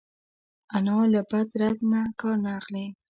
انا له بد رد نه کار نه اخلي